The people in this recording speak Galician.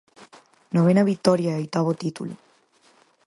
Novena vitoria e oitavo título.